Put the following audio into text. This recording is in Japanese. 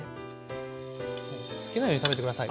好きなように食べて下さい。